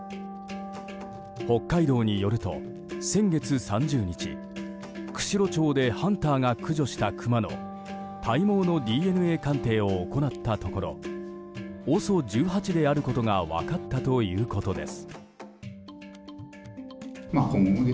北海道によると先月３０日、釧路町でハンターが駆除したクマの体毛のＤＮＡ鑑定を行ったところＯＳＯ１８であることが分かったということです。